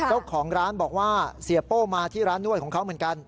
เจ้าของร้านบอกว่าเสียโป้มาที่ร้านนวดของเขาเหมือนกัน